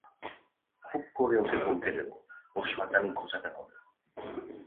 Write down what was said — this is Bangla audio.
খুব করে ওকে ধমকে দেব, ওর শয়তানি ঘোচাতে হবে।